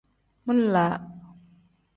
Min-laa.